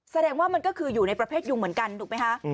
แสดงว่ามันก็คืออยู่ในประเภทยุงเหมือนกันถูกไหมคะ